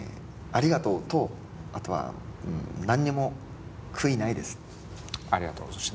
「ありがとう」そして「何にも悔いないです」。